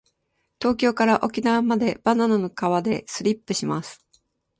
東京から沖縄までバナナの皮でスリップします。